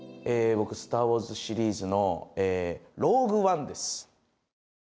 僕「スター・ウォーズ」シリーズの「ローグ・ワン」です